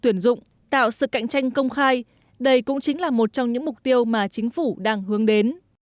tuyển dụng tạo sự cạnh tranh công khai đây cũng chính là một trong những mục tiêu mà chính phủ đang hướng đến